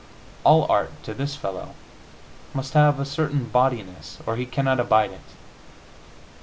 All art, to this fellow, must have a certain bawdiness, or he cannot abide it.